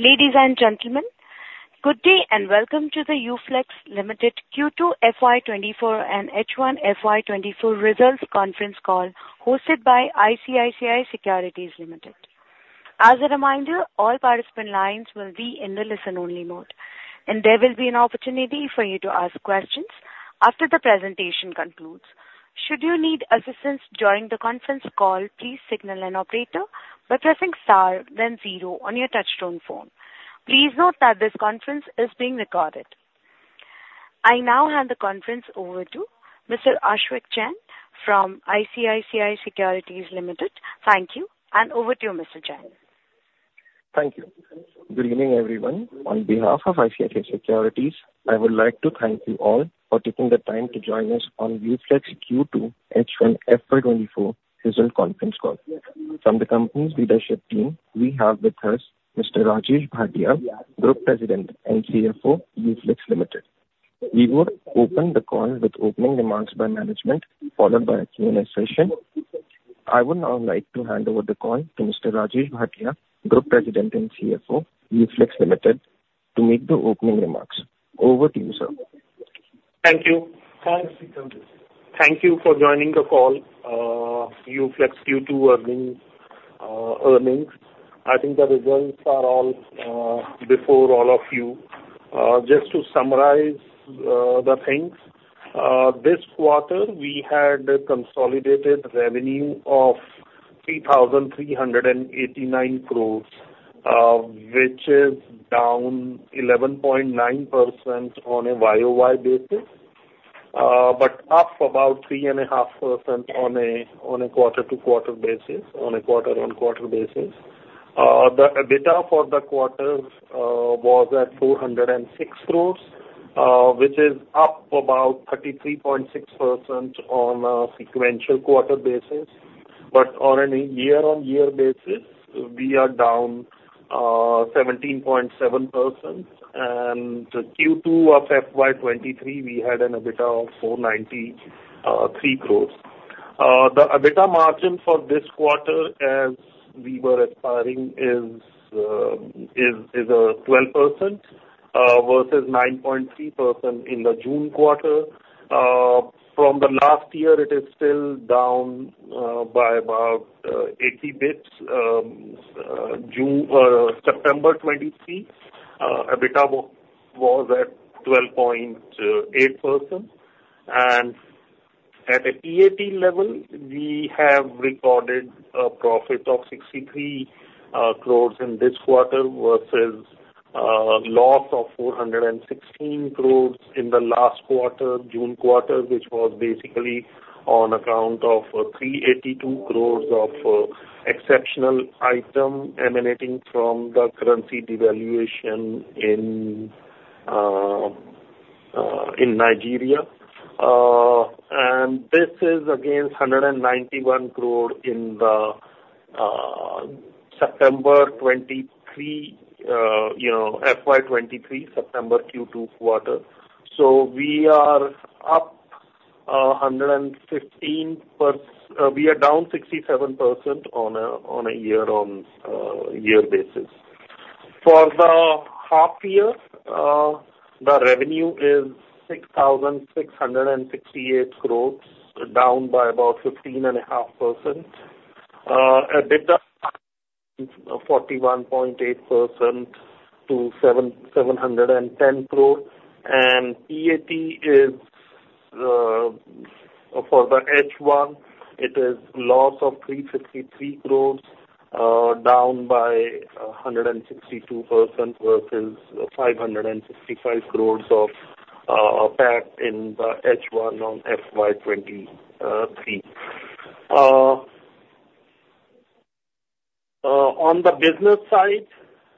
Ladies and gentlemen. Good day, and welcome to the UFlex Limited Q2 FY 2024 and H1 FY 2024 results conference call, hosted by ICICI Securities Limited. As a reminder, all participant lines will be in the listen-only mode, and there will be an opportunity for you to ask questions after the presentation concludes. Should you need assistance during the conference call, please signal an operator by pressing star then zero on your touch-tone phone. Please note that this conference is being recorded. I now hand the conference over to Mr. Ashvik Jain from ICICI Securities Limited. Thank you, and over to you, Mr. Jain. Thank you. Good evening, everyone. On behalf of ICICI Securities, I would like to thank you all for taking the time to join us on UFlex Q2 H1 FY 2024 results conference call. From the company's leadership team, we have with us Mr. Rajesh Bhatia, Group President and CFO, UFlex Limited. We will open the call with opening remarks by management, followed by a Q&A session. I would now like to hand over the call to Mr. Rajesh Bhatia, Group President and CFO, UFlex Limited, to make the opening remarks. Over to you, sir. Thank you. Thank you for joining the call, UFlex Q2 earnings, earnings. I think the results are all before all of you. Just to summarize the things this quarter, we had a consolidated revenue of 3,389 crore, which is down 11.9% on a YoY basis, but up about 3.5% on a quarter-to-quarter basis, on a quarter-on-quarter basis. The EBITDA for the quarter was at 406 crore, which is up about 33.6% on a sequential quarter basis. But on a year-on-year basis, we are down 17.7%. And Q2 of FY 2023, we had an EBITDA of 493 crore. The EBITDA margin for this quarter, as we were expecting, is 12%, versus 9.3% in the June quarter. From the last year, it is still down by about 80 basis points. In September 2023, EBITDA was at 12.8%. And at a PAT level, we have recorded a profit of 63 crore in this quarter, versus loss of 416 crore in the last quarter, June quarter, which was basically on account of 382 crore of exceptional item emanating from the currency devaluation in Nigeria. And this is against 191 crore in the September 2023, you know, FY 2023, September Q2 quarter. So we are down 67% on a year-on-year basis. For the half year, the revenue is 6,668 crore, down by about 15.5%. EBITDA, 41.8% to 710 crore. And PAT is, for the H1, it is loss of 353 crore, down by 162%, versus 565 crore of PAT in the H1 on FY 2023. On the business side,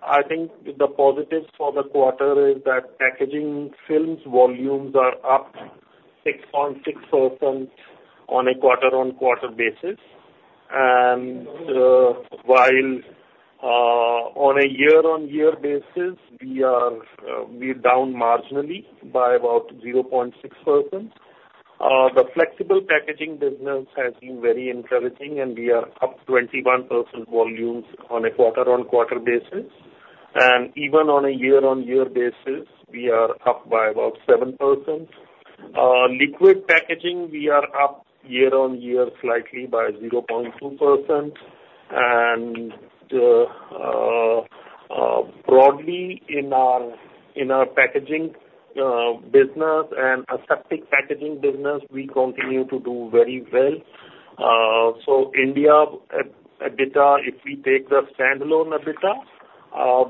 I think the positives for the quarter is that packaging films volumes are up 6.6% on a quarter-on-quarter basis. And while on a year-on-year basis, we are down marginally by about 0.6%. The flexible packaging business has been very encouraging, and we are up 21% volumes on a quarter-on-quarter basis. And even on a year-on-year basis, we are up by about 7%. Liquid packaging, we are up year-on-year slightly by 0.2%. And, broadly, in our packaging business and aseptic packaging business, we continue to do very well. So India EBITDA, if we take the standalone EBITDA,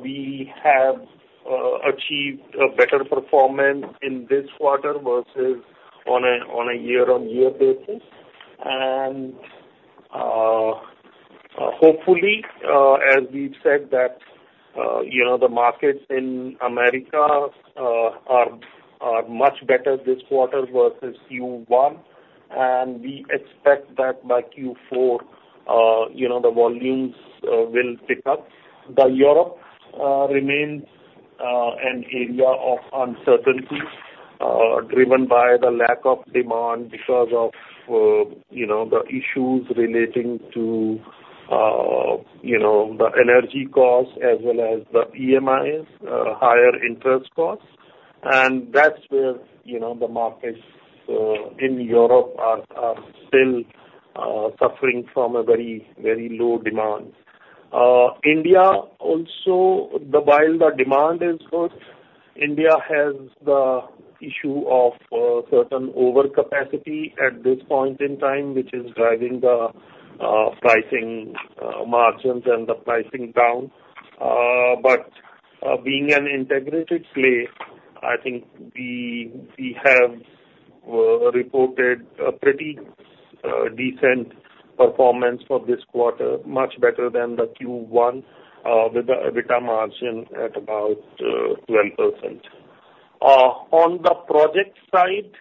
we have achieved a better performance in this quarter versus on a year-on-year basis. And, hopefully, as we've said, that, you know, the markets in America are much better this quarter versus Q1, and we expect that by Q4, you know, the volumes will pick up. Europe remains an area of uncertainty. Driven by the lack of demand because of, you know, the issues relating to, you know, the energy costs as well as the EMIs, higher interest costs. And that's where, you know, the markets in Europe are still suffering from a very, very low demand. India also, while the demand is good, India has the issue of certain overcapacity at this point in time, which is driving the pricing margins and the pricing down. But, being an integrated play, I think we have reported a pretty decent performance for this quarter, much better than the Q1, with the EBITDA margin at about 12%. On the project side,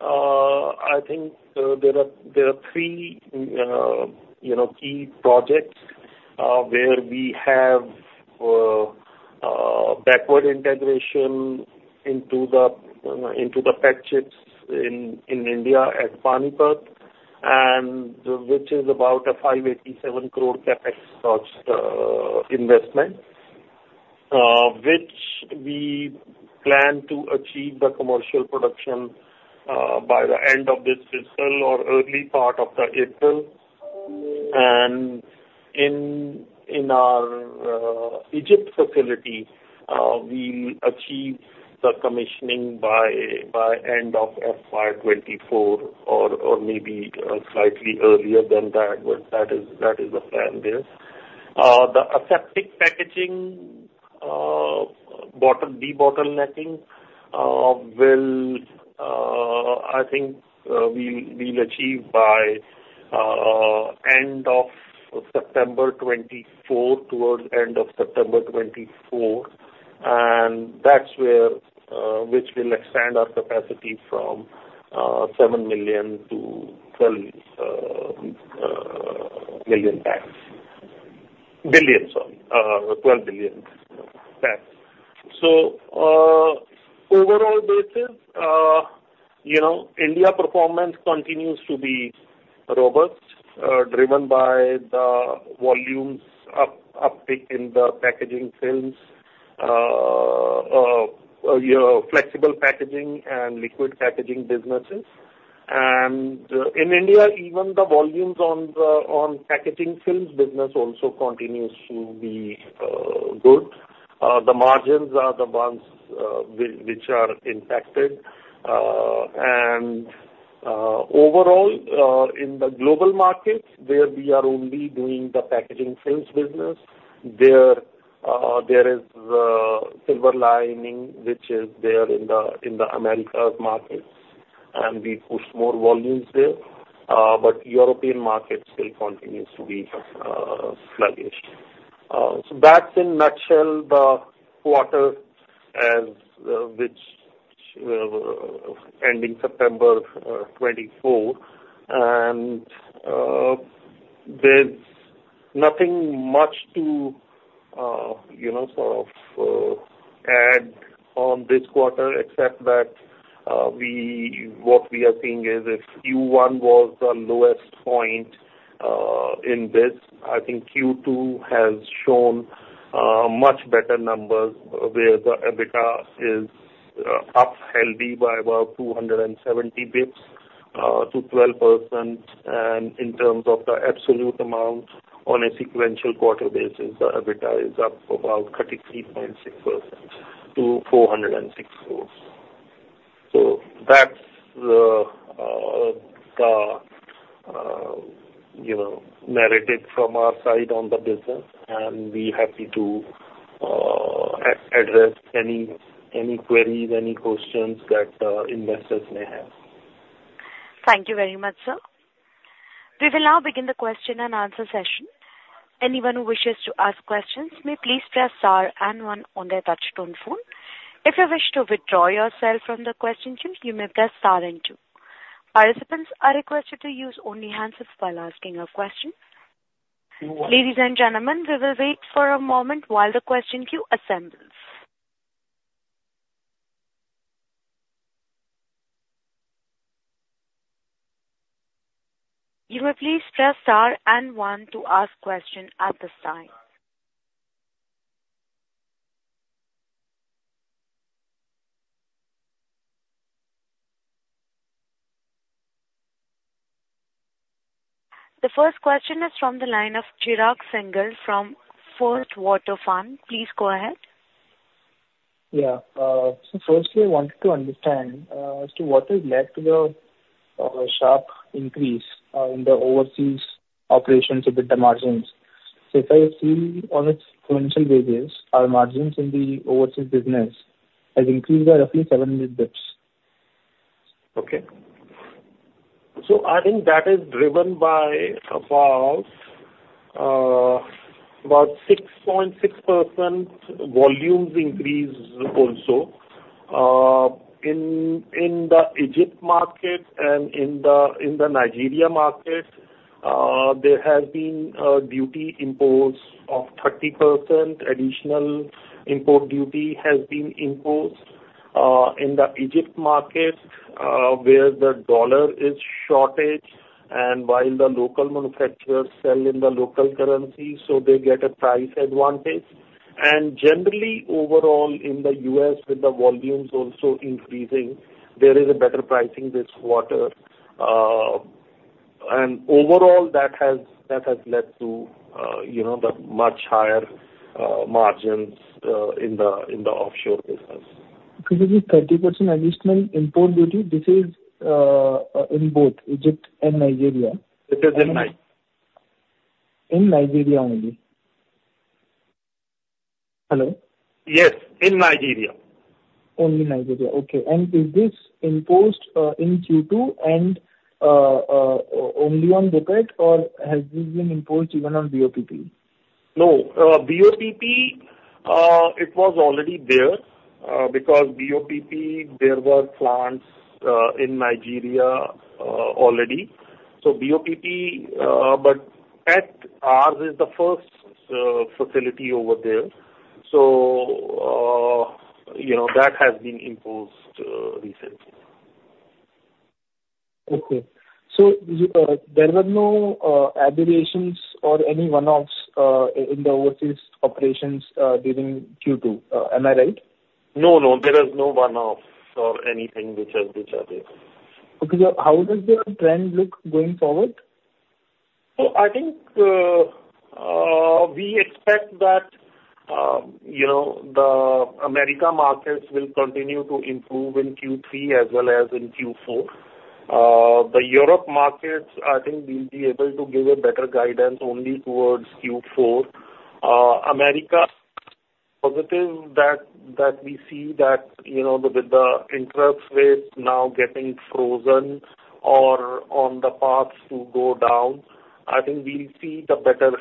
I think there are three, you know, key projects where we have backward integration into the PET chips in India at Panipat, and which is about 587 crore CapEx investment. Which we plan to achieve the commercial production by the end of this fiscal or early part of April. In our Egypt facility, we achieve the commissioning by end of FY 2024 or maybe slightly earlier than that, but that is the plan there. The aseptic packaging bottleneck debottlenecking will, I think, we'll achieve by end of September 2024, towards end of September 2024. And that's where which will expand our capacity from 7 million to 12 million packs. Billion, sorry, 12 billion packs. So, overall basis, you know, India performance continues to be robust, driven by the volumes uptick in the packaging films, your flexible packaging and liquid packaging businesses. And in India, even the volumes on the packaging films business also continues to be good. The margins are the ones which are impacted. And overall, in the global markets, where we are only doing the packaging films business, there is a silver lining which is there in the Americas markets, and we push more volumes there. But European market still continues to be sluggish. So that's in nutshell, the quarter ending September 2024. There's nothing much to, you know, sort of, add on this quarter, except that, what we are seeing is if Q1 was the lowest point, in this, I think Q2 has shown, much better numbers, where the EBITDA is, up healthy by about 270 basis points, to 12%. And in terms of the absolute amount on a sequential quarter basis, the EBITDA is up about 33.6% to 406 crores. So that's the, you know, narrative from our side on the business, and we're happy to address any, any queries, any questions that, investors may have. Thank you very much, sir. We will now begin the question-and-answer session. Anyone who wishes to ask questions may please press star and one on their touch-tone phone. If you wish to withdraw yourself from the question queue, you may press star and two. Participants are requested to use only hands up while asking a question. Ladies and gentlemen, we will wait for a moment while the question queue assembles. You may please press star and one to ask question at this time. The first question is from the line of Chirag Singhal from First Water Fund. Please go ahead. Yeah. So firstly, I wanted to understand as to what has led to the sharp increase in the overseas operations EBITDA margins. So if I see on a sequential basis, our margins in the overseas business has increased by roughly 700 basis points. Okay. So I think that is driven by about 6.6% volumes increase also. In the Egypt market and in the Nigeria market, there has been a duty imposed of 30%, additional import duty has been imposed, in the Egypt market, where there is a dollar shortage, and while the local manufacturers sell in the local currency, so they get a price advantage. And generally, overall, in the U.S. with the volumes also increasing, there is a better pricing this quarter. And overall, that has led to, you know, the much higher margins in the offshore business. Because the 30% additional import duty, this is in both Egypt and Nigeria? It is in Nigeria. In Nigeria only. Hello? Yes, in Nigeria. Only Nigeria, okay. And is this imposed in Q2 and only on BOPET or has this been imposed even on BOPP? No. BOPP, it was already there, because BOPP, there were plants in Nigeria already. So BOPP, but at ours is the first facility over there. So, you know, that has been imposed recently. Okay. So you, there were no aberrations or any one-offs in the overseas operations during Q2. Am I right? No, no, there is no one-offs or anything which has disrupted. Okay, how does the trend look going forward? So I think, we expect that, you know, the America markets will continue to improve in Q3 as well as in Q4. The Europe markets, I think we'll be able to give a better guidance only towards Q4. America, positive that we see that, you know, with the interest rates now getting frozen or on the path to go down, I think we'll see the better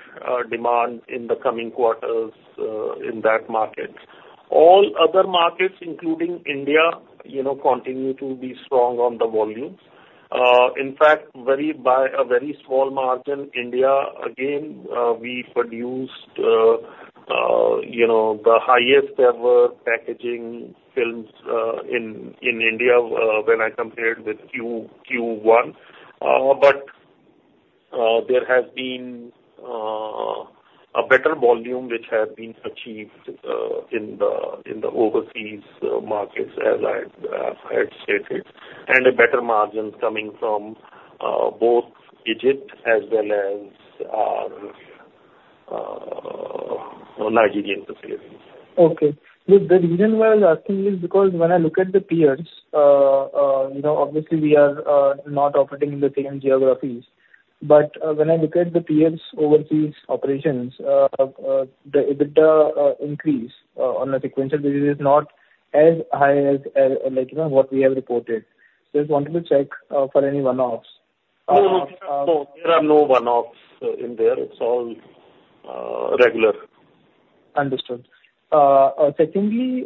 demand in the coming quarters, in that market. All other markets, including India, you know, continue to be strong on the volumes. In fact, by a very small margin, India again we produced the highest ever packaging films in India when I compared with Q1. But, there has been a better volume which has been achieved in the overseas markets, as I'd had stated, and a better margin coming from both Egypt as well as Nigerian facilities. Okay. The reason why I'm asking is because when I look at the peers, you know, obviously, we are not operating in the same geographies. But when I look at the peers' overseas operations, the EBITDA increase on a sequential basis is not as high as, like, you know, what we have reported. Just wanted to check for any one-offs. No, no. So there are no one-offs in there. It's all regular. Understood. Secondly, you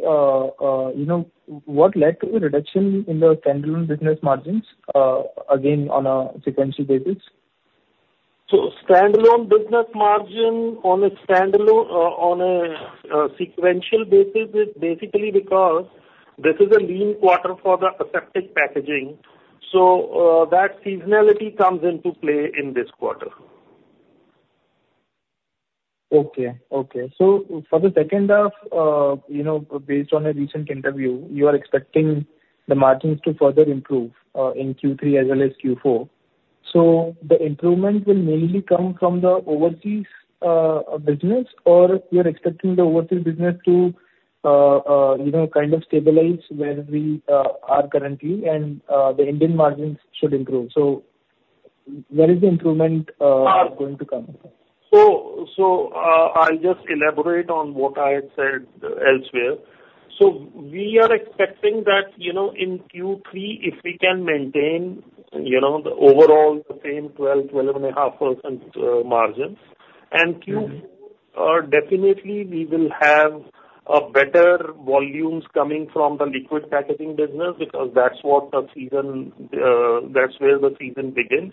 know, what led to a reduction in the standalone business margins, again, on a sequential basis? Standalone business margin on a sequential basis is basically because this is a lean quarter for the aseptic packaging, so that seasonality comes into play in this quarter. Okay, okay. So for the second half, you know, based on a recent interview, you are expecting the margins to further improve in Q3 as well as Q4. So the improvement will mainly come from the overseas business, or you're expecting the overseas business to you know, kind of stabilize where we are currently and the Indian margins should improve. So where is the improvement... Uh going to come from? So, I'll just elaborate on what I had said elsewhere. So we are expecting that, you know, in Q3, if we can maintain, you know, the overall same 12%-12.5% margins, and Q4- Mm-hmm. We are definitely. We will have better volumes coming from the liquid packaging business, because that's what the season, that's where the season begins.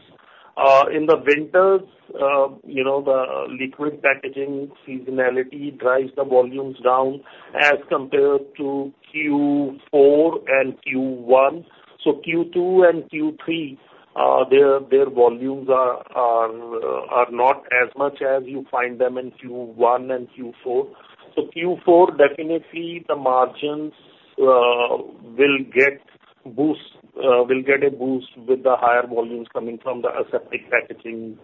In the winters, you know, the liquid packaging seasonality drives the volumes down as compared to Q4 and Q1. So Q2 and Q3, their volumes are not as much as you find them in Q1 and Q4. So Q4, definitely the margins will get a boost with the higher volumes coming from the aseptic packaging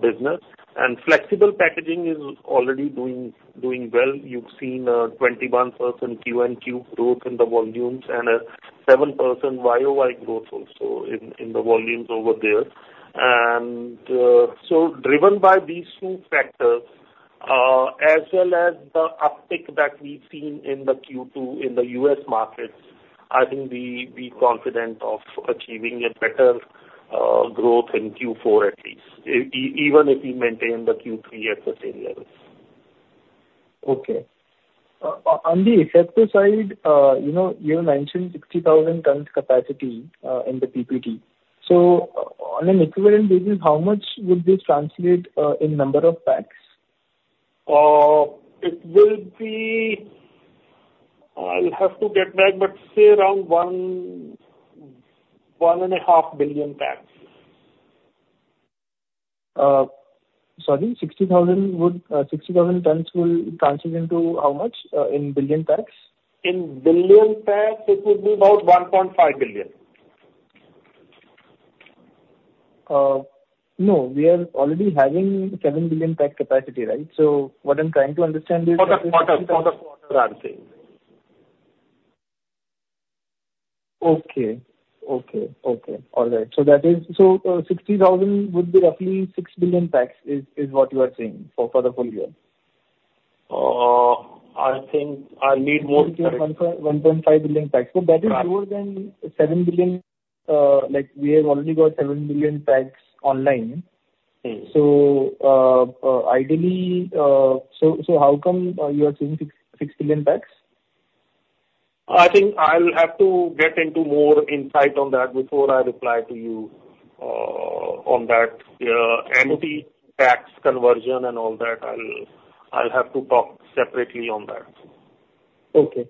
business. And flexible packaging is already doing well. You've seen a 21% Q1 QoQ growth in the volumes and a 7% YoY growth also in the volumes over there. So driven by these two factors, as well as the uptick that we've seen in Q2 in the U.S. markets, I think we confident of achieving a better growth in Q4 at least, even if we maintain the Q3 at the same level. Okay. On the Aseptic side, you know, you mentioned 60,000 tons capacity in the PPT. So on an equivalent basis, how much would this translate in number of packs? It will be. I'll have to get back, but say around 1 billion, 1.5 billion packs. Sorry, 60,000 would, 60,000 tons will translate into how much in billion packs? In billion packs, it will be about 1.5 billion. No, we are already having 7 billion pack capacity, right? So what I'm trying to understand is- For the quarter, for the quarter I'm saying. Okay. Okay, okay. All right. So, 60,000 would be roughly 6 billion packs, is, is what you are saying for, for the full year? I think I'll need more time. 1 billion, 1-1.5 billion packs. Right. That is more than 7 billion. Like, we have already got 7 billion packs online. Hmm. Ideally, how come you are saying 6.6 billion packs? I think I'll have to get into more insight on that before I reply to you on that, [MT] packs conversion and all that. I'll have to talk separately on that. Okay.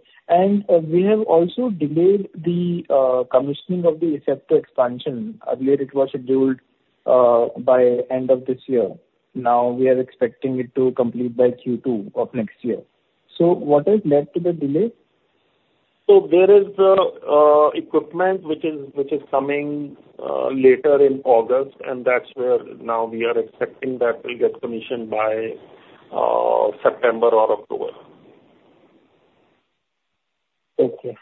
We have also delayed the commissioning of the Aseptic expansion. Earlier it was scheduled by end of this year. Now we are expecting it to complete by Q2 of next year. What has led to the delay? So there is the equipment which is coming later in August, and that's where now we are expecting that will get commissioned by September or October. Okay,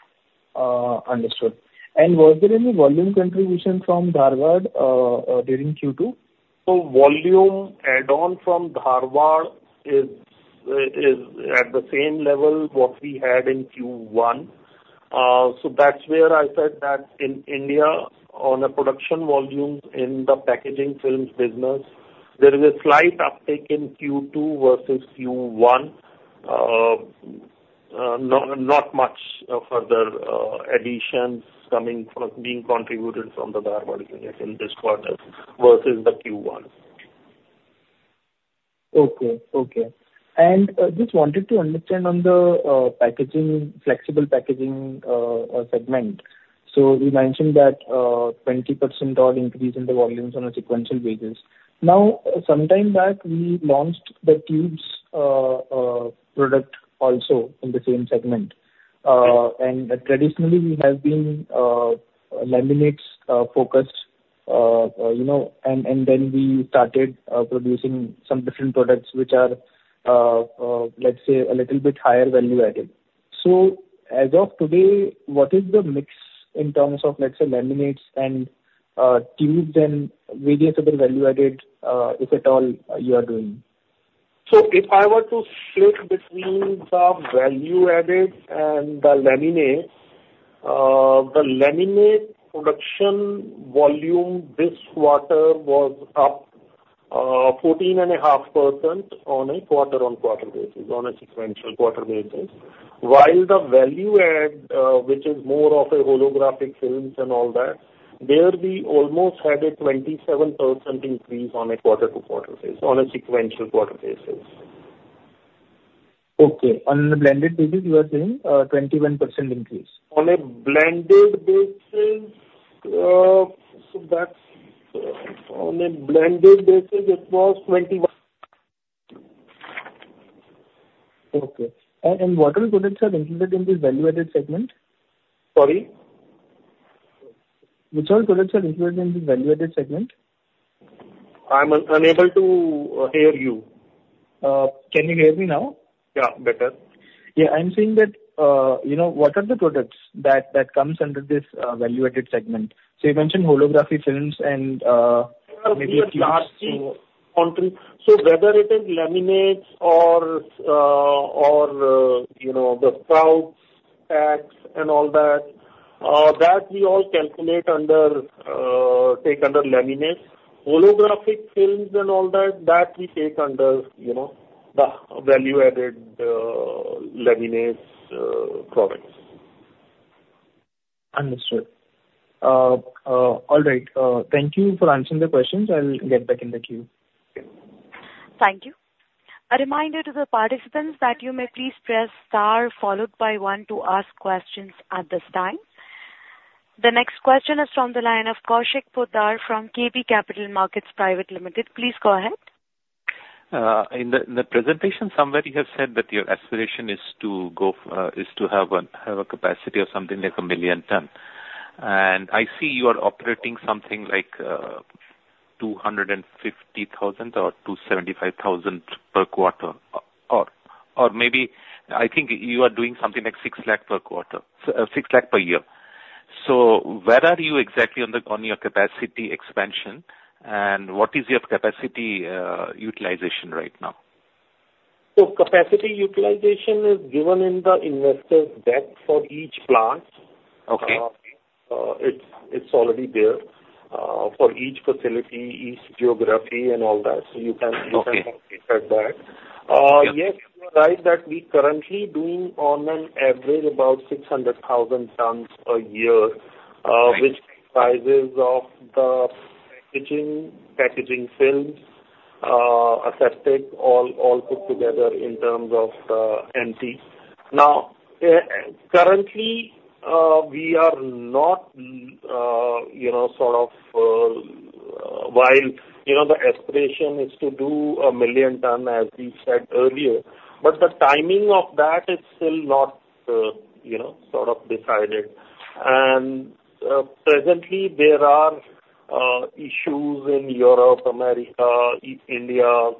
understood. Was there any volume contribution from Dharwad during Q2? So volume add-on from Dharwad is at the same level what we had in Q1. So that's where I said that in India, on a production volume in the packaging films business, there is a slight uptick in Q2 versus Q1. Not much further additions coming from being contributed from the Dharwad unit in this quarter versus the Q1. Okay, okay. And just wanted to understand on the packaging, flexible packaging segment. So you mentioned that 20% dollar increase in the volumes on a sequential basis. Now, sometime back, we launched the tubes product also in the same segment. And traditionally we have been laminates focused, you know, and then we started producing some different products, which are, let's say, a little bit higher value-added. So as of today, what is the mix in terms of, let's say, laminates and tubes, and relatable value added, if at all, you are doing? So if I were to split between the value added and the laminates, the laminate production volume this quarter was up 14.5% on a quarter-on-quarter basis, on a sequential quarter basis. While the value add, which is more of a holographic films and all that, there we almost had a 27% increase on a quarter-to-quarter basis, on a sequential quarter basis. Okay, on a blended basis, you are saying, 21% increase? On a blended basis, it was 21%. Okay. And what all products are included in this value-added segment? Sorry? Which all products are included in this value-added segment? I'm unable to hear you. Can you hear me now? Yeah, better. Yeah, I'm saying that, you know, what are the products that comes under this value-added segment? So you mentioned holographic films and, maybe a few parts to... So whether it is laminates or, you know, the spout packs and all that, that we all calculate under, take under laminates. Holographic films and all that, that we take under, you know, the value-added laminates products. Understood. All right. Thank you for answering the questions. I'll get back in the queue. Thank you. A reminder to the participants that you may please press star followed by one to ask questions at this time. The next question is from the line of Kaushik Poddar from KB Capital Markets Private Limited. Please go ahead. In the presentation, somebody has said that your aspiration is to go, is to have a capacity of something like 1 million tons. And I see you are operating something like 250,000 or 275,000 per quarter, or maybe I think you are doing something like 600,000 per quarter, 600,000 per year. So where are you exactly on your capacity expansion, and what is your capacity utilization right now? Capacity utilization is given in the investor deck for each plant. Okay. It's already there, for each facility, each geography and all that, so you can- Okay. You can look at that. Yep. Yes, you're right that we currently doing on an average about 600,000 tons a year. Right. Which sizes of the packaging, packaging films, aseptic, all, all put together in terms of the MT. Now, currently, we are not, you know, sort of, while, you know, the aspiration is to do 1 million ton, as we said earlier, but the timing of that is still not, you know, sort of decided. And, presently, there are issues in Europe, America, India.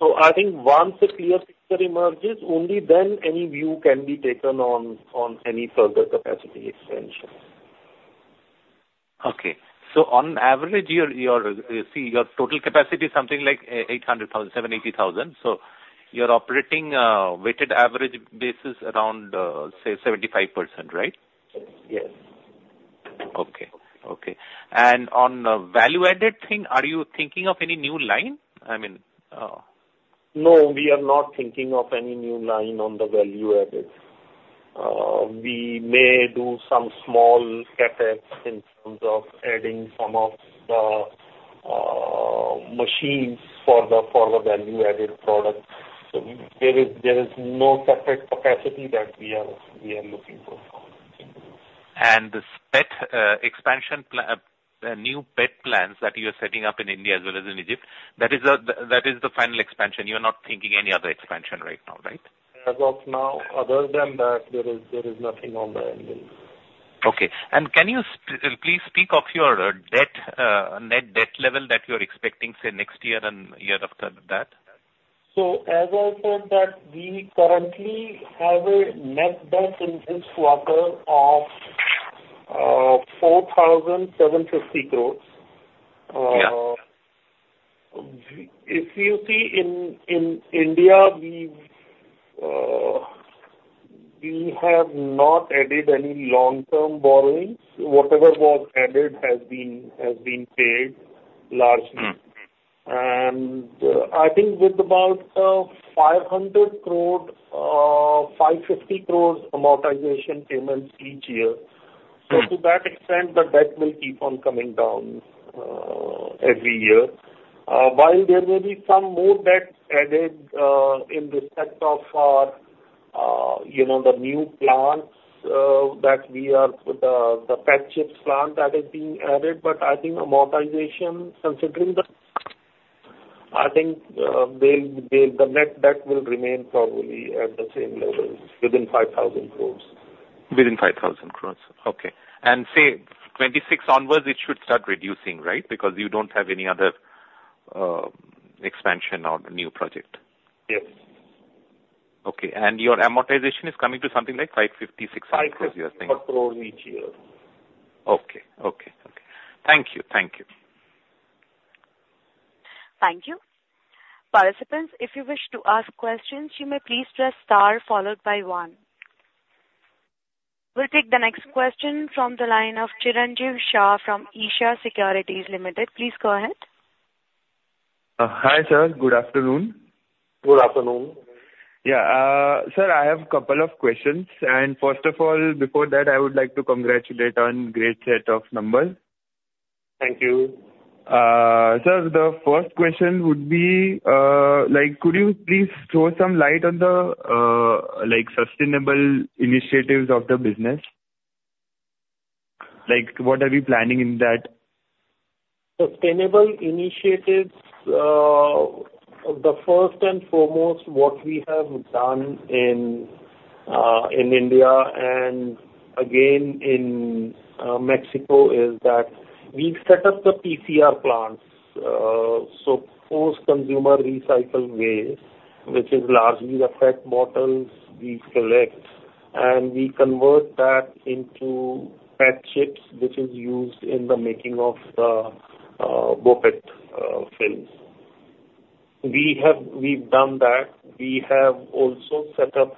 So I think once a clear picture emerges, only then any view can be taken on, on any further capacity expansion. Okay. So on average, your, your, see, your total capacity is something like 800,000, 780,000. So you're operating weighted average basis around, say, 75%, right? Yes. Okay. Okay. On the value-added thing, are you thinking of any new line? I mean, No, we are not thinking of any new line on the value-added. We may do some small CapEx in terms of adding some of the machines for the value-added product. So there is no separate capacity that we are looking for in this. This PET expansion plan, the new PET plants that you're setting up in India as well as in Egypt, that is the, that is the final expansion. You are not thinking any other expansion right now, right? As of now, other than that, there is, there is nothing on the agenda. Okay. And can you please speak of your net debt level that you're expecting, say, next year and year after that? As I said that we currently have a net debt in this quarter of 4,750 crore. Yeah. If you see in India, we have not added any long-term borrowings. Whatever was added has been paid largely. Mm, mm. I think with about 500 crore, 550 crore amortization payments each year. Mm. So to that extent, the debt will keep on coming down every year. While there may be some more debt added in the set of our you know the new plants that we are with the PET chips plant that is being added. But I think amortization considering the I think the net debt will remain probably at the same levels within 5,000 crore. Within 5,000 crore. Okay. And say, 2026 onwards, it should start reducing, right? Because you don't have any other expansion or new project. Yes. Okay. And your amortization is coming to something like 550-600, as you are saying? 550 per crore each year. Okay. Okay. Okay. Thank you. Thank you. Thank you. Participants, if you wish to ask questions, you may please press Star followed by one. We'll take the next question from the line of Chiranjeev Shah from Isha Securities Limited. Please go ahead. Hi, sir. Good afternoon. Good afternoon. Yeah, sir, I have a couple of questions. First of all, before that, I would like to congratulate on great set of numbers. Thank you. Sir, the first question would be, like, could you please throw some light on the, like, sustainable initiatives of the business? Like, what are we planning in that? Sustainable initiatives, the first and foremost, what we have done in, in India and again in, Mexico, is that we've set up the PCR plants. So post-consumer recycled waste, which is largely the PET bottles we collect, and we convert that into PET chips, which is used in the making of the, BOPET, films. We've done that. We have also set up,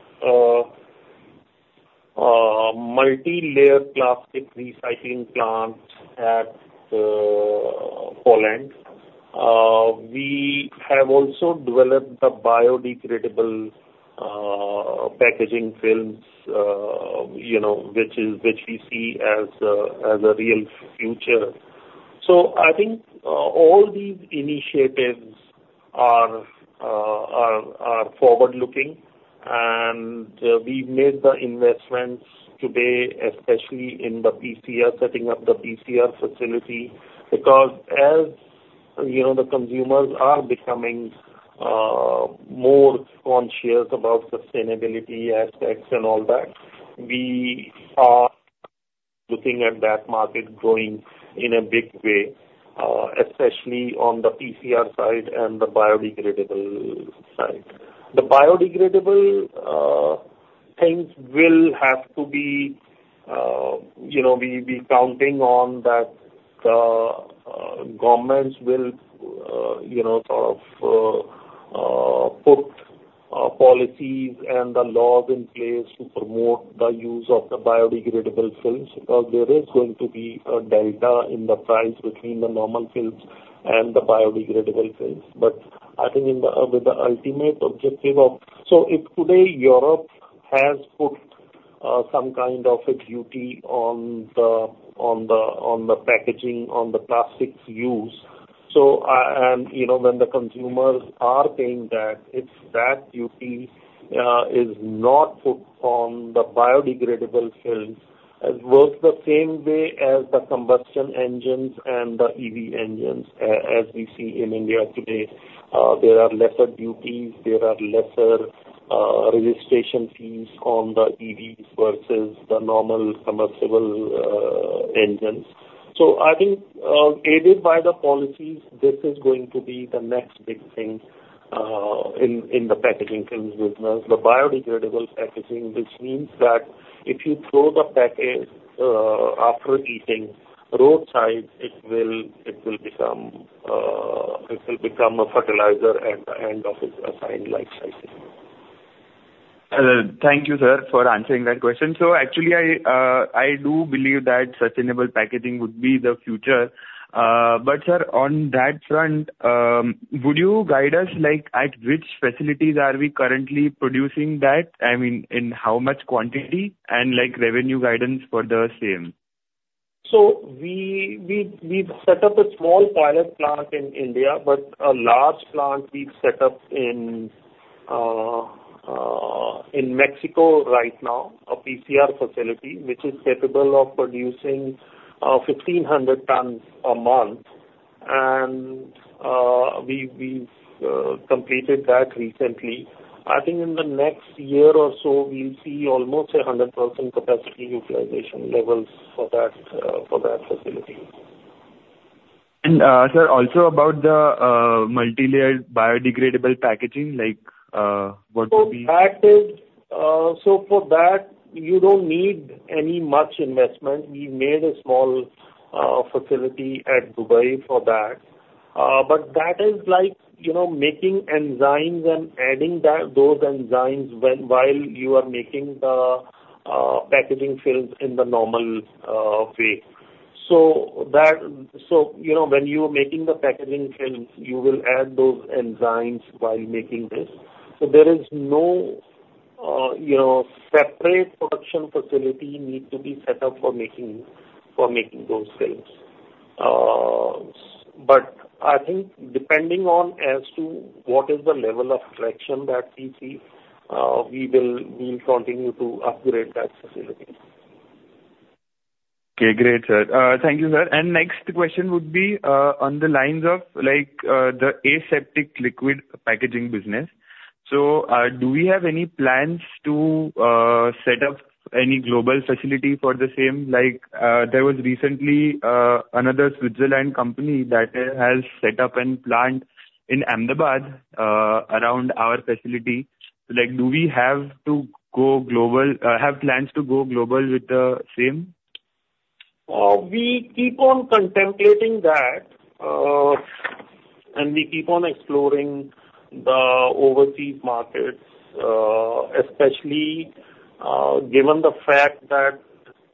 multi-layer plastic recycling plants at, Poland. We have also developed the biodegradable, packaging films, you know, which is- which we see as a, as a real future. So I think, all these initiatives are forward-looking, and, we've made the investments today, especially in the PCR, setting up the PCR facility. Because as, you know, the consumers are becoming more conscientious about sustainability aspects and all that, we are looking at that market growing in a big way, especially on the PCR side and the biodegradable side. The biodegradable things will have to be, you know, we counting on that, governments will, you know, sort of, put policies and the laws in place to promote the use of the biodegradable films, because there is going to be a delta in the price between the normal films and the biodegradable films. But I think in the, with the ultimate objective of— so if today Europe has put, some kind of a duty on the, on the, on the packaging, on the plastics use, so, and, you know, when the consumers are paying that, it's that duty, is not put on the biodegradable films. It works the same way as the combustion engines and the EV engines, as we see in India today. There are lesser duties, there are lesser, registration fees on the EVs versus the normal combustion engines. So I think, aided by the policies, this is going to be the next big thing, in, in the packaging films business, the biodegradable packaging. Which means that if you throw the package after eating roadside, it will become a fertilizer at the end of its life cycle. Thank you, sir, for answering that question. So actually I, I do believe that sustainable packaging would be the future. But sir, on that front, would you guide us like at which facilities are we currently producing that? I mean, in how much quantity, and like revenue guidance for the same. So we've set up a small pilot plant in India, but a large plant we've set up in Mexico right now, a PCR facility, which is capable of producing 1,500 tons a month. And we've completed that recently. I think in the next year or so, we'll see almost 100% capacity utilization levels for that facility. Sir, also about the multilayered biodegradable packaging, like, what would be- So that is, so for that, you don't need any much investment. We made a small facility at Dubai for that. But that is like, you know, making enzymes and adding that, those enzymes when, while you are making the packaging films in the normal way. So that, so you know, when you are making the packaging films, you will add those enzymes while making this. So there is no, you know, separate production facility need to be set up for making, for making those films. But I think depending on as to what is the level of traction that we see, we will, we will continue to upgrade that facility. Okay, great, sir. Thank you, sir. And next question would be, on the lines of like, the aseptic liquid packaging business. So, do we have any plans to, set up any global facility for the same? Like, there was recently, another Switzerland company that, has set up a plant in Ahmedabad, around our facility. Like, do we have to go global, have plans to go global with the same? We keep on contemplating that, and we keep on exploring the overseas markets, especially, given the fact that,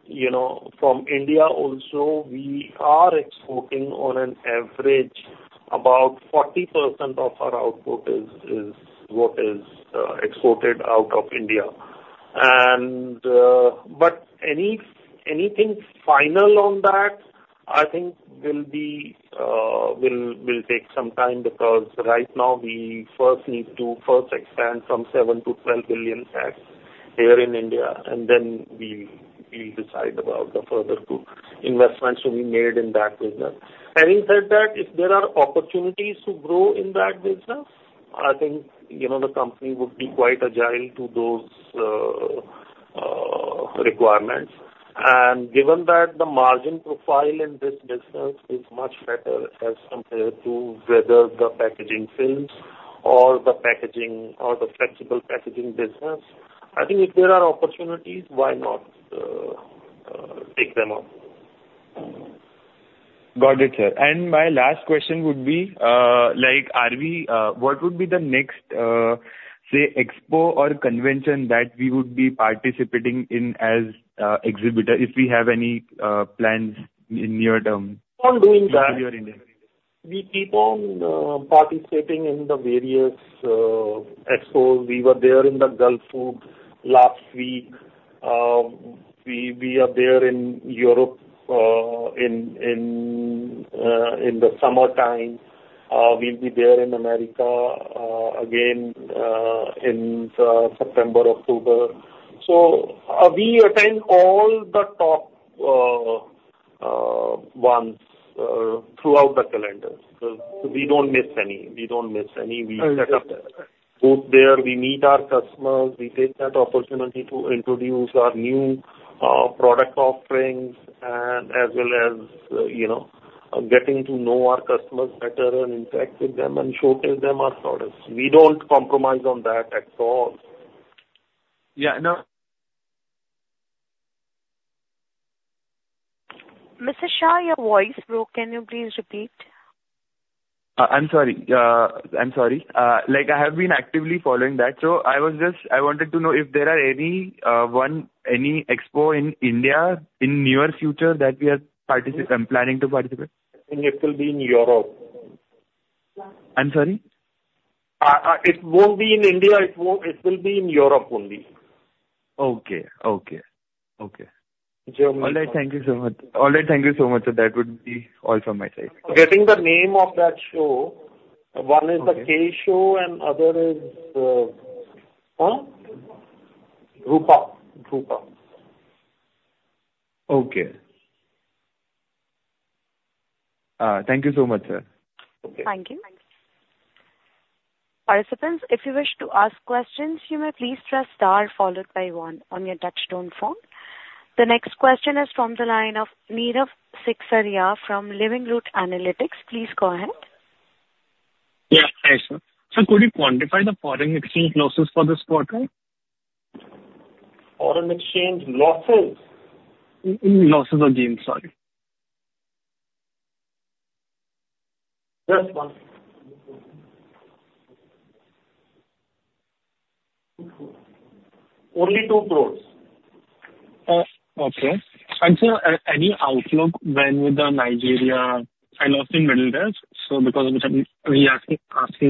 you know, from India also, we are exporting on an average, about 40% of our output is what is exported out of India. But anything final on that, I think will be will take some time, because right now we first need to first expand from 7 billion-12 billion packs here in India, and then we, we'll decide about the further two investments to be made in that business. Having said that, if there are opportunities to grow in that business, I think, you know, the company would be quite agile to those requirements. Given that the margin profile in this business is much better as compared to whether the packaging films or the packaging or the flexible packaging business, I think if there are opportunities, why not, take them up? Got it, sir. And my last question would be, like, what would be the next, say, expo or convention that we would be participating in as an exhibitor, if we have any plans in the near term? We keep on participating in the various expos. We were there in the Gulfood last week. We are there in Europe in the summertime. We'll be there in America again in September, October. So we attend all the top ones throughout the calendar. So we don't miss any, we don't miss any. I see. We set up booth there. We meet our customers. We take that opportunity to introduce our new product offerings, and as well as, you know, getting to know our customers better and interact with them and showcase them our products. We don't compromise on that at all. Yeah, no- Mr. Shah, your voice broke. Can you please repeat? I'm sorry. Like, I have been actively following that, so I was just—I wanted to know if there are any expo in India in near future that we are planning to participate? It will be in Europe. I'm sorry? It won't be in India, it won't. It will be in Europe only. Okay. Okay. Okay. Germany. All right, thank you so much. All right, thank you so much, sir. That would be all from my side. Getting the name of that show, one is- Okay. the K Show and other is, huh? Drupa. Drupa. Okay. Thank you so much, sir. Okay. Thank you. Participants, if you wish to ask questions, you may please press Star followed by One on your touchtone phone. The next question is from the line of Nirav Seksaria from Living Root Analytics. Please go ahead. Yeah. Hi, sir. So could you quantify the foreign exchange losses for this quarter? Foreign exchange losses? Losses or gains, sorry. Just one. Only 2 crore. Okay. Sir, any outlook on the Nigerian, I lost in middle there, so because of which I'm reasking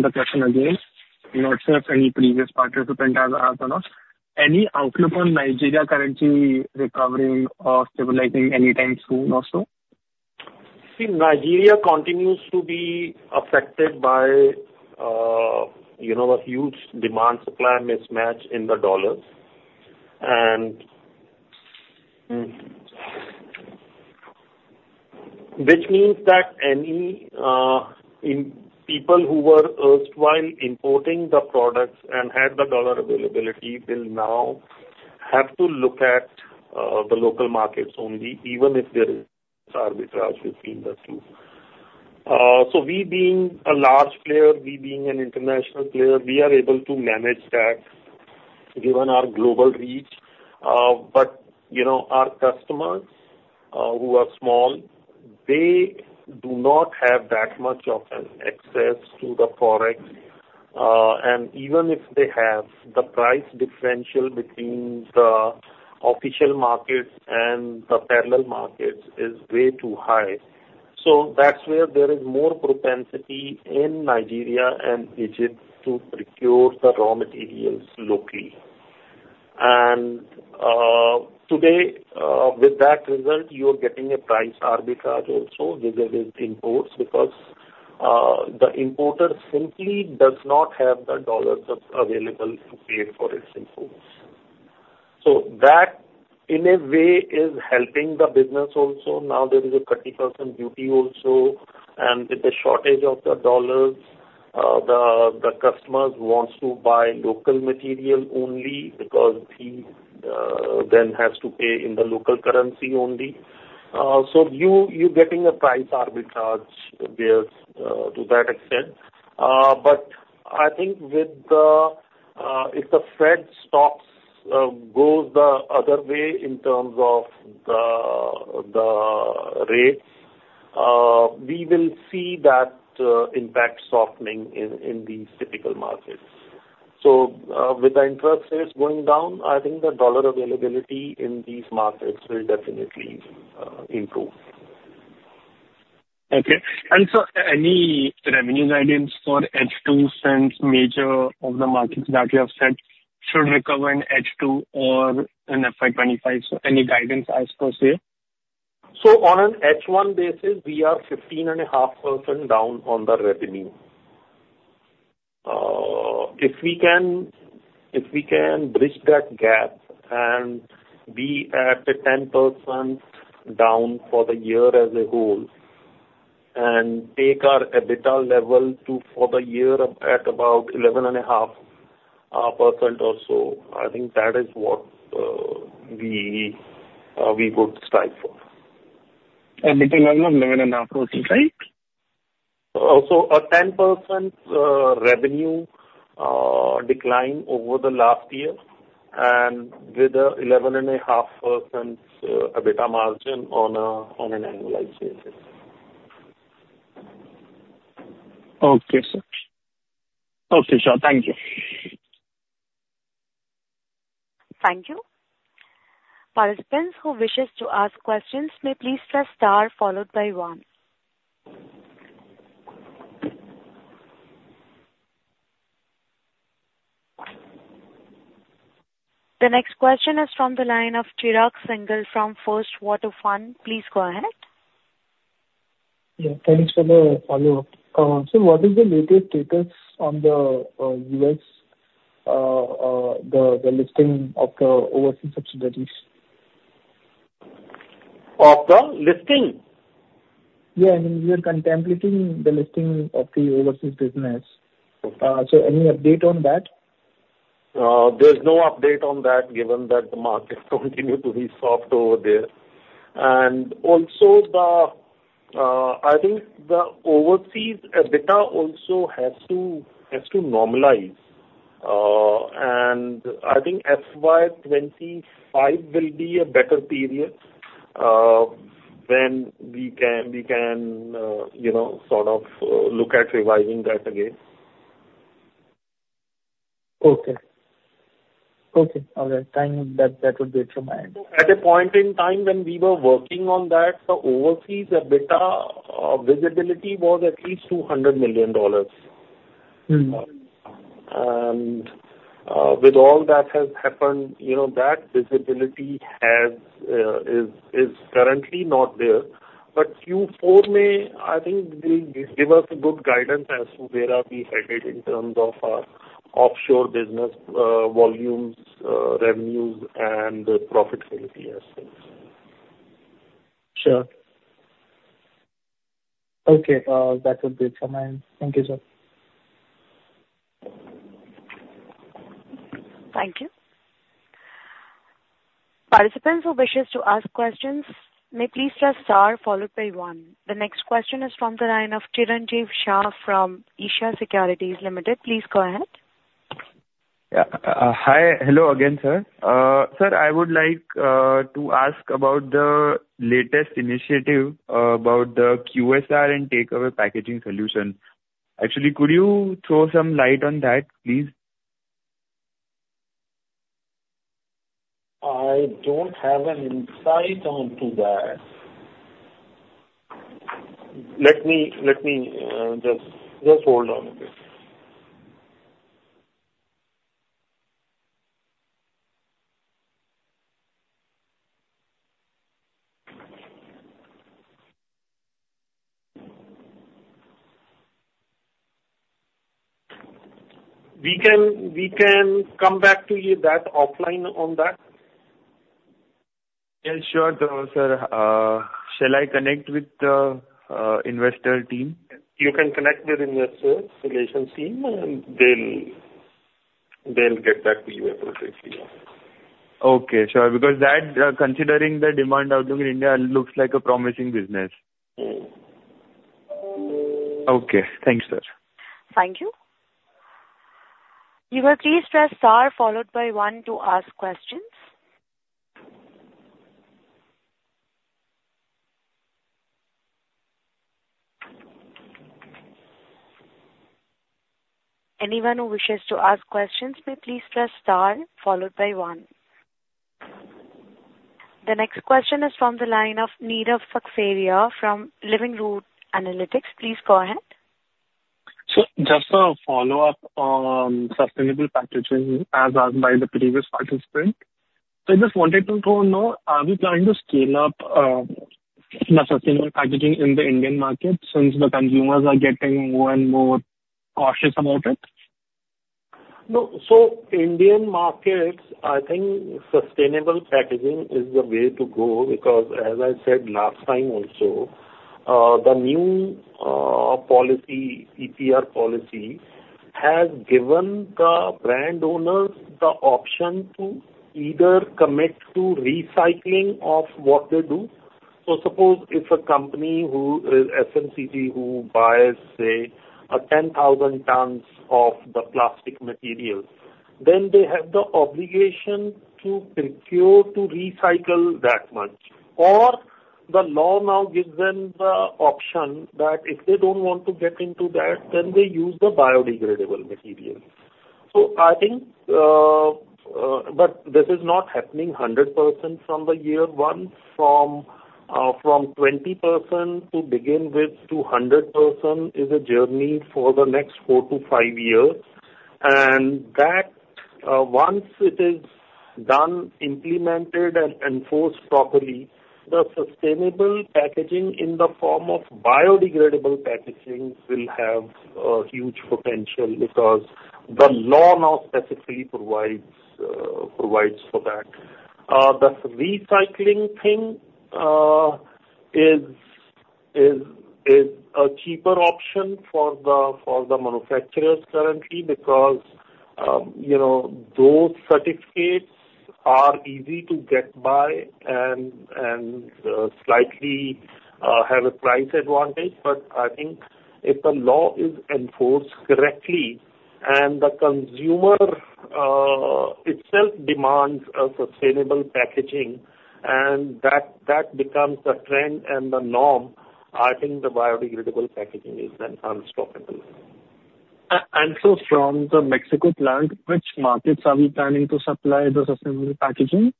the question again, you know, since any previous participant has asked or not. Any outlook on Nigerian currency recovering or stabilizing anytime soon also? See, Nigeria continues to be affected by, you know, the huge demand-supply mismatch in the dollars. And- Mm. Which means that any, in people who were erstwhile importing the products and had the dollar availability will now have to look at, the local markets only, even if there is arbitrage between the two. So we being a large player, we being an international player, we are able to manage that given our global reach. But, you know, our customers, who are small, they do not have that much of an access to the products. And even if they have, the price differential between the official markets and the parallel markets is way too high. So that's where there is more propensity in Nigeria and Egypt to procure the raw materials locally. Today, with that result, you're getting a price arbitrage also with their imports, because the importer simply does not have the dollars available to pay for its imports. So that, in a way, is helping the business also. Now there is a 30% duty also, and with the shortage of the dollars, the customers wants to buy local material only because he then has to pay in the local currency only. So you, you're getting a price arbitrage there, to that extent. But I think with if the Fed stops, goes the other way in terms of the rates, we will see that impact softening in these typical markets. So, with the interest rates going down, I think the dollar availability in these markets will definitely improve. Okay. And sir, any revenue guidance for H2 since major of the markets that you have said should recover in H2 or in FY 2025? So any guidance per se? So on an H1 basis, we are 15.5% down on the revenue. If we can, if we can bridge that gap and be at 10% down for the year as a whole, and take our EBITDA level to, for the year at about 11.5% or so, I think that is what we would strive for. EBITDA level of 11.5%, right? So a 10% revenue decline over the last year and with a 11.5% EBITDA margin on an annualized basis. Okay, sir. Okay, sure. Thank you. Thank you. Participants who wish to ask questions may please press star followed by one. The next question is from the line of Chirag Singhal from First Water Fund. Please go ahead. Yeah, thanks for the follow-up. So what is the latest status on the U.S. listing of the overseas subsidiaries? Of the listing? Yeah, I mean, you are contemplating the listing of the overseas business. Okay. So any update on that? There's no update on that, given that the markets continue to be soft over there. And also the, I think the overseas EBITDA also has to, has to normalize... and I think FY 2025 will be a better period, when we can, we can, you know, sort of, look at revising that again. Okay. Okay, all right. Thank you. That, that would be it from my end. At a point in time when we were working on that, the overseas EBITDA visibility was at least $200 million. Mm. With all that has happened, you know, that visibility is currently not there. But Q4 may, I think, will give us a good guidance as to where are we headed in terms of our offshore business, volumes, revenues, and profitability as things. Sure. Okay, that would be it from my end. Thank you, sir. Thank you. Participants who wishes to ask questions, may please press star followed by one. The next question is from the line of Chiranjeev Shah from Isha Securities Limited. Please go ahead. Yeah. Hi, hello again, sir. Sir, I would like to ask about the latest initiative about the QSR and takeaway packaging solution. Actually, could you throw some light on that, please? I don't have an insight into that. Let me just, just hold on a bit. We can come back to you offline on that. Yeah, sure, though, sir. Shall I connect with the investor team? You can connect with investor relations team, and they'll get back to you appropriately. Okay, sure. Because that, considering the demand outlook in India, looks like a promising business. Mm. Okay. Thanks, sir. Thank you. You may please press star followed by one to ask questions. Anyone who wishes to ask questions, may please press star followed by one. The next question is from the line of Nirav Seksaria from Living Root Analytics. Please go ahead. So just a follow-up on sustainable packaging, as asked by the previous participant. So I just wanted to know, are we planning to scale up the sustainable packaging in the Indian market, since the consumers are getting more and more cautious about it? No. So Indian markets, I think sustainable packaging is the way to go because as I said last time also, the new policy, EPR policy, has given the brand owners the option to either commit to recycling of what they do. So suppose if a company who is FMCG, who buys, say, 10,000 tons of the plastic materials, then they have the obligation to procure, to recycle that much, or the law now gives them the option that if they don't want to get into that, then they use the biodegradable material. So I think, but this is not happening 100% from the year one. From twenty percent to begin with to 100% is a journey for the next four to five years. And that, once it is done, implemented and enforced properly, the sustainable packaging in the form of biodegradable packaging will have a huge potential, because the law now specifically provides for that. The recycling thing is a cheaper option for the manufacturers currently, because, you know, those certificates are easy to get by and slightly have a price advantage. But I think if the law is enforced correctly and the consumer itself demands a sustainable packaging and that becomes the trend and the norm, I think the biodegradable packaging is then unstoppable. From the Mexico plant, which markets are we planning to supply the sustainable packaging?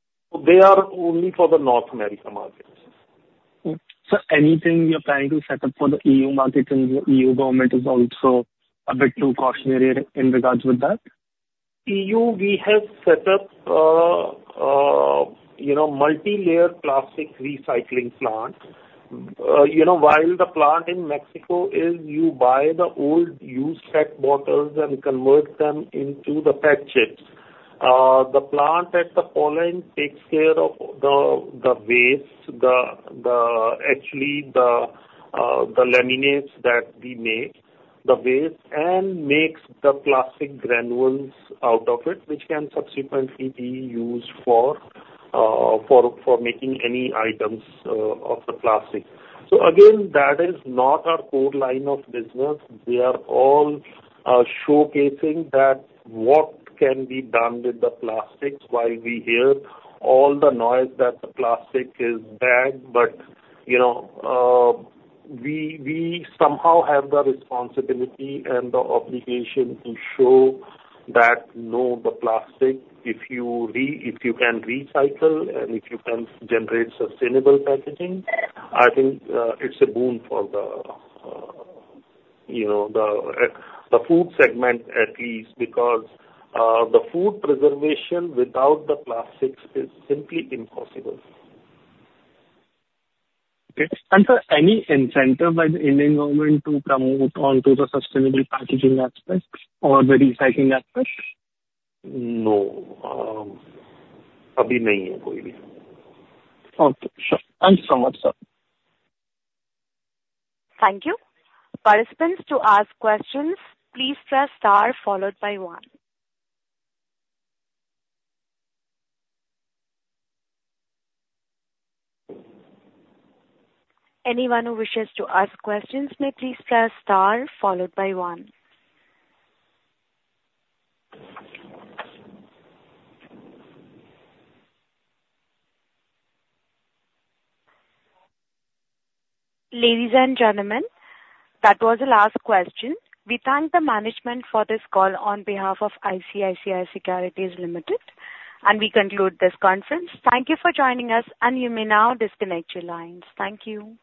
They are only for the North America markets. So anything you're planning to set up for the E.U. market, and the E.U. government is also a bit too cautionary in regards with that? E.U., we have set up, you know, multi-layer plastic recycling plant. You know, while the plant in Mexico is you buy the old used PET bottles and convert them into the PET chips. The plant in Poland takes care of the waste, actually, the laminates that we make, the waste, and makes the plastic granules out of it, which can subsequently be used for making any items of the plastic. So again, that is not our core line of business. They are all showcasing that what can be done with the plastics while we hear all the noise that the plastic is bad. But, you know, we somehow have the responsibility and the obligation to show that, no, the plastic, if you can recycle and if you can generate sustainable packaging, I think, it's a boon for the, you know, the food segment at least because, the food preservation without the plastics is simply impossible. Okay. And so any incentive by the Indian government to promote onto the sustainable packaging aspect or the recycling aspect? No. Abhi nahi hai koi bhi. Okay, sure. Thanks so much, sir. Thank you. Participants, to ask questions, please press star followed by one. Anyone who wishes to ask questions, may please press star followed by one. Ladies and gentlemen, that was the last question. We thank the management for this call on behalf of ICICI Securities Limited, and we conclude this conference. Thank you for joining us, and you may now disconnect your lines. Thank you.